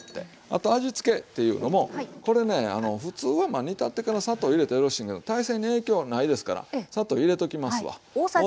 あと味付けというのもこれねふつうは煮立ってから砂糖入れたらよろしいけど大勢に影響はないですから砂糖入れときますわ。